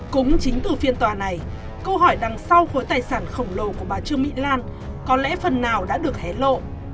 cũng chính từ phiên tòa này câu hỏi đằng sau khối tài sản khổng lồ của bà trương mỹ lan có lẽ phần nào đã được hé lộ